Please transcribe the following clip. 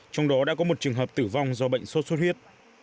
trong đó đã có một trường hợp tử vong do bệnh sốt xuất huyết